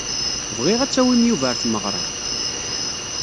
Bɣiɣ ad tawim Yuba ɣer tmeɣra.